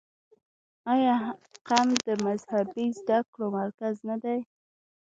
آیا قم د مذهبي زده کړو مرکز نه دی؟